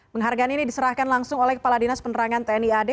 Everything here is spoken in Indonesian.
penghargaan ini diserahkan langsung oleh kepala dinas penerangan tni ad